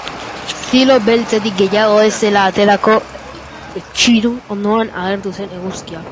Zilo beltzetik gehiago ez zela aterako etsitu ondoan agertu zen eguzkia.